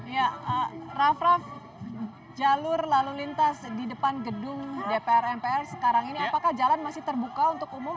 ya raff raff jalur lalu lintas di depan gedung dpr mpr sekarang ini apakah jalan masih terbuka untuk umum